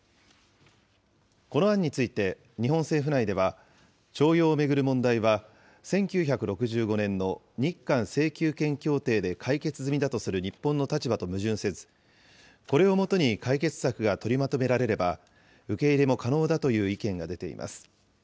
この案について、日本政府内では、徴用を巡る問題は、１９６５年の日韓請求権協定で解決済みだとする日本の立場と矛盾せず、これを基に解決策が取りまとめられれば、受け入れも可能だという意見が出ています。